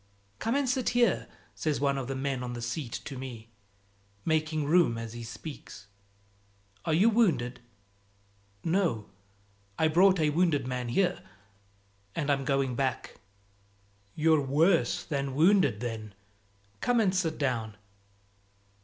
"Come and sit here," says one of the men on the seat to me, making room as he speaks. "Are you wounded?" "No; I brought a wounded man here, and I'm going back." "You're worse than wounded then; come and sit down."